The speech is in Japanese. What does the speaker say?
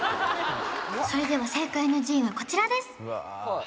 それでは正解の順位はこちらです